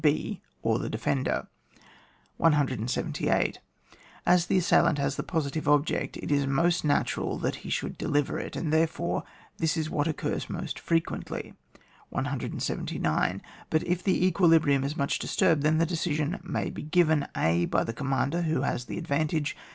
(6) Or the defender. 178. As the assailant has the positive object, it is most natural that he should deliver it; and, therefore, this is what occurs most frequently. 179. But if the equilibrium is much disturbed, then the dedsion may be given, a. By the commander who has the ad vantage.